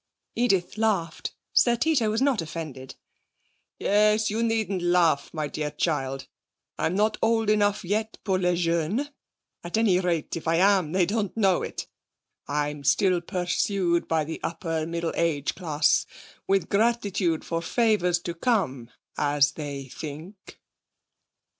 Edith laughed. Sir Tito was not offended. 'Yes, you needn't laugh, my dear child. I'm not old enough yet pour les jeunes; at any rate, if I am they don't know it. I'm still pursued by the upper middle age class, with gratitude for favours to come (as they think).'